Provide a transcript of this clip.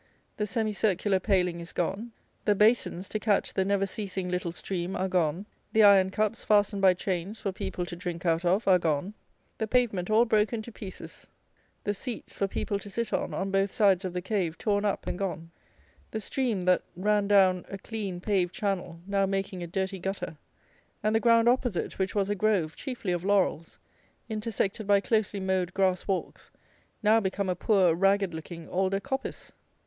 The semicircular paling is gone; the basins, to catch the never ceasing little stream, are gone; the iron cups, fastened by chains, for people to drink out of, are gone; the pavement all broken to pieces; the seats, for people to sit on, on both sides of the cave, torn up and gone; the stream that ran down a clean paved channel, now making a dirty gutter; and the ground opposite, which was a grove, chiefly of laurels, intersected by closely mowed grass walks, now become a poor, ragged looking alder coppice.